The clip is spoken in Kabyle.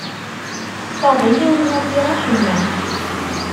Faḍil ur yufi acemma.